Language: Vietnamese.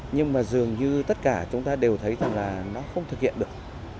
nhưng mà dường như tất cả chúng ta đều thấy rằng là nó không thực hiện được